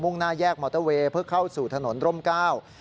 ่งหน้าแยกมอเตอร์เวย์เพื่อเข้าสู่ถนนร่มเก้า